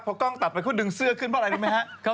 พอกล้องตัดไปเขาดึงเสื้อขึ้นเพราะอะไรรู้ไหมครับ